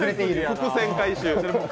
伏線回収。